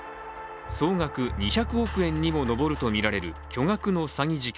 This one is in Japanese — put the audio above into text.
総額２００億円にも上るとみられる巨額の詐欺事件。